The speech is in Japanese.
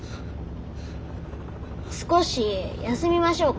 少し休みましょうか？